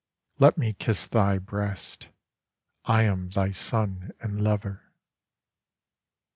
Let me kiss thy breasts:I am thy son and lover.